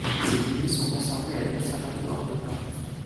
Ces données sont conservées à l'Observatoire de Paris.